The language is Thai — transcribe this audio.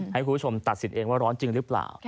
ให้คุณผู้ชมตัดสินเองว่าร้อนจริงหรือเปล่า